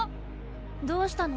どうしたの？